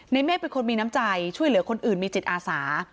เมฆเป็นคนมีน้ำใจช่วยเหลือคนอื่นมีจิตอาสา